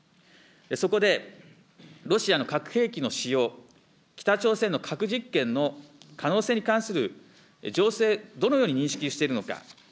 そこでロシアの核兵器の使用、北朝鮮の核実験の可能性に関する情勢、どのように認識しているのか。